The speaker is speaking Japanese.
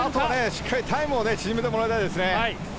しっかりタイムを縮めてもらいたいですね。